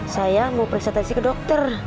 saya mau presentasi ke dokter